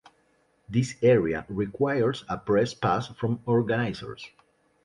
This area requires a press pass from organizers.